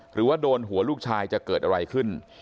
หรือว่าโดนหัวลูกชายจะเกิดอะไรขึ้น